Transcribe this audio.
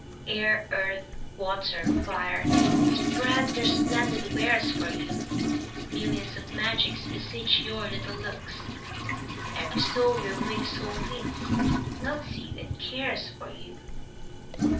Air, earth, water, fire, spread their splendid wares for you. Millions of magics beseech your little looks; Every soul your winged soul meets, loves you and cares for you.